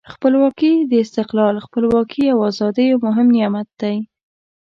خپلواکي د استقلال، خپلواکي او آزادۍ یو مهم نعمت دی.